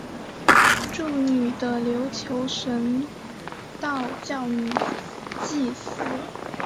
祝女的琉球神道教女祭司。